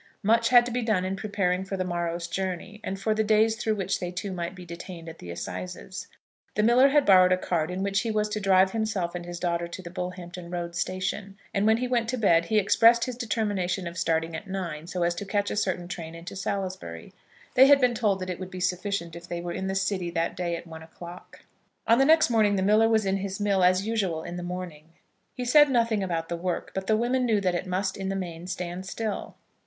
Much had to be done in preparing for the morrow's journey, and for the days through which they two might be detained at the assizes. The miller had borrowed a cart in which he was to drive himself and his daughter to the Bullhampton road station, and, when he went to bed, he expressed his determination of starting at nine, so as to catch a certain train into Salisbury. They had been told that it would be sufficient if they were in the city that day at one o'clock. On the next morning the miller was in his mill as usual in the morning. He said nothing about the work, but the women knew that it must in the main stand still.